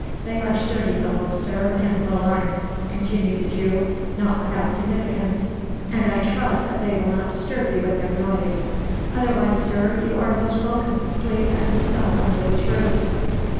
They are sturdy fellows, sir, and well armed," continued the Jew, not without significance, "and I trust that they will not disturb you with their noise. Otherwise, sir, you are most welcome to sleep and sup under this roof."